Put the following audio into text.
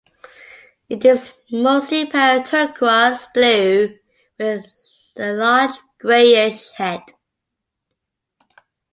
It is mostly pale turquoise-blue with a large, greyish head.